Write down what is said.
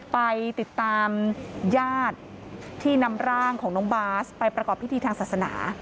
ไปติดตามญาติที่นำร่างของน้องบาสไปประกอบพิธีทางศาสนา